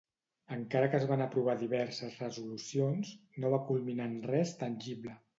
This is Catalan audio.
Encara que es van aprovar diverses resolucions, no va culminar en res tangible.